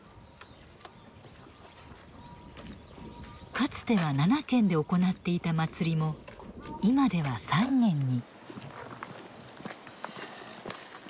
かつては７軒で行っていた祭りも今では３軒に。